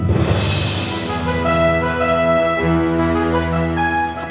apa jantan ketinggalan di mobil pak